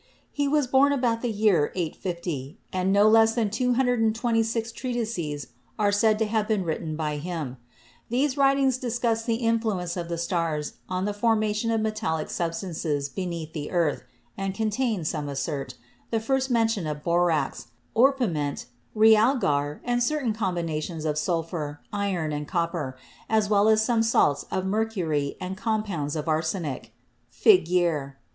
He was born about the year 850, and no less than 226 treatises are said to have been written by him. These writings discuss the influence of the stars on the formation of metallic substances beneath the earth, and contain, some assert, the first mention of borax, orpiment, realgar, and certain combinations of sulphur, iron and copper, as well as some salts of mercury and compounds of arsenic (Fi guier).